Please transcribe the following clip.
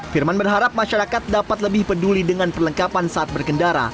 firman berharap masyarakat dapat lebih peduli dengan perlengkapan saat berkendara